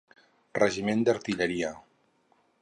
Regiment d'Artilleria.